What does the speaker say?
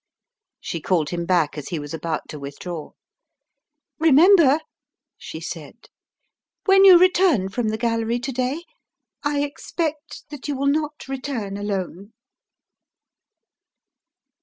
She called him back as he was about to withdraw. "Remember," she said, "when you return from the gallery to day I expect that you will not return alone."